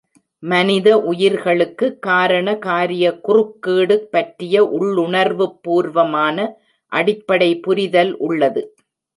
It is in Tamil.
மனித உயிர்களுக்கு காரணகாரிய குறுக்கீடு பற்றிய உள்ளுணர்வுப்பூர்வமான அடிப்படை புரிதல் உள்ளது.